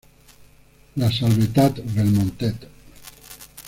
La Salvetat-Belmontet